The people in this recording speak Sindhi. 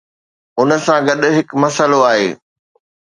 ان سان گڏ هڪ مسئلو آهي.